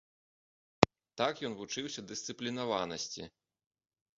Так ён вучыўся дысцыплінаванасці.